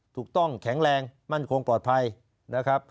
ถูกต้องแข็งแรงมั่นคงปลอดภัยนะครับ